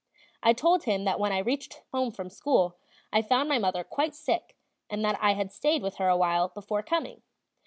I told him that when I reached home from school, I found my mother quite sick, and that I had stayed with her awhile before coming.